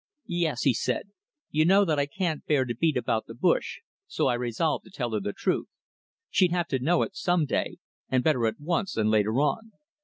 "Yes," he said. "You know that I can't bear to beat about the bush, so I resolved to tell her the truth. She'd have to know it some day, and better at once than later on."